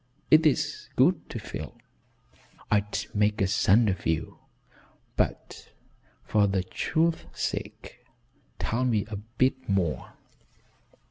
It is good to feel. I'd make a son of you, but for the truth's sake tell me a bit more."